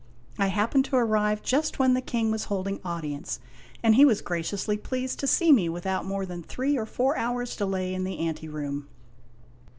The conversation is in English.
I happened to arrive just when the King was holding audience, and he was graciously pleased to see me without more than three or four hours' delay in the anteroom.